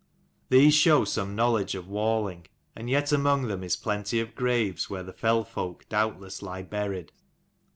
These show some knowledge of walling; and yet among them is plenty of graves where the fell folk doubtless lie buried.